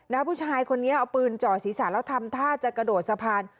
แล้วผู้ชายคนนี้เอาปืนจ่อศีรษะแล้วทำท่าจะกระโดดสะพาน